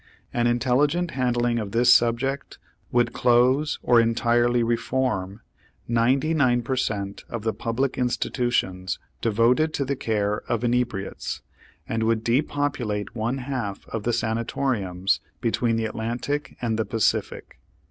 An intelligent handling of this subject would close or entirely reform ninety nine per cent. of the public institutions devoted to the care of inebriates, and would depopulate one half of the sanatoriums between the Atlantic and the Pacific.